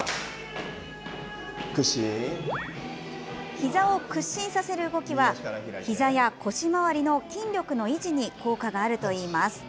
ひざを屈伸させる動きはひざや腰回りの筋力の維持に効果があるといいます。